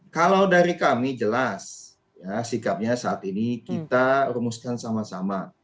kalau dari kami jelas ya sikapnya saat ini kita rumuskan sama sama